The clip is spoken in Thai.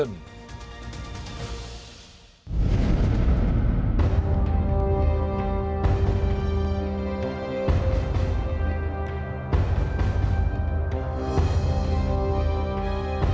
สนับสนุนโดยโอลี่คัมรี่ยากที่ใครจะตามพันธุ์